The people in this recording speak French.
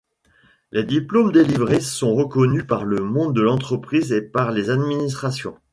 Les diplômes délivrés sont reconnus par le monde de l'entreprise et par les administrations.